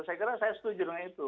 saya kira saya setuju dengan itu